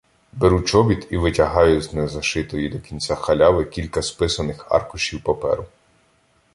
Беру чобіт і витягаю з незашитої до кінця халяви кілька списаних аркушів паперу.